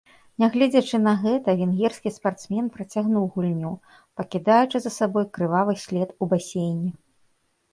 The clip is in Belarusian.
Нягледзячы на гэта, венгерскі спартсмен працягнуў гульню, пакідаючы за сабой крывавы след у басейне.